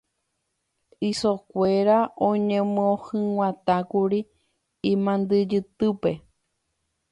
Ysokuéra oñemohyg̃uatãkuri imandyjutýpe.